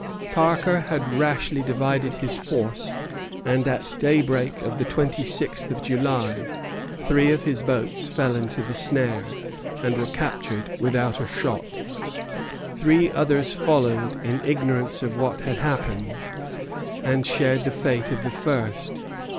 Parker had rashly divided his force; and at daybreak of the twenty sixth of July three of his boats fell into the snare, and were captured without a shot. Three others followed, in ignorance of what had happened, and shared the fate of the first.